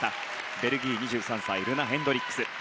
ベルギー、２３歳ルナ・ヘンドリックス。